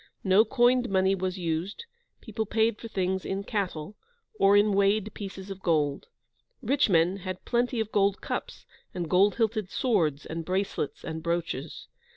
No coined money was used; people paid for things in cattle, or in weighed pieces of gold. Rich men had plenty of gold cups, and gold hilted swords, and bracelets, and brooches.